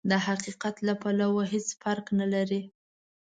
د حقيقت له پلوه هېڅ فرق نه لري.